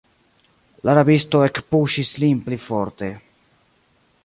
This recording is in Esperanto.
La rabisto ekpuŝis lin pli forte.